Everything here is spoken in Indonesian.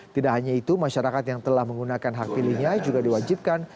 tidak hanya itu masyarakat yang telah menggunakan hak pilihnya juga diwajibkan